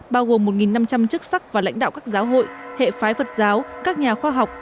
bao gồm một năm trăm linh chức sắc và lãnh đạo các giáo hội hệ phái phật giáo các nhà khoa học